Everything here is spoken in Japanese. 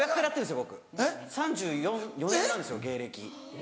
３４年なんですよ芸歴。